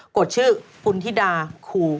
กดชื่อคุณธิดากุล